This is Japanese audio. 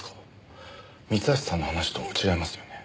三橋さんの話と違いますよね。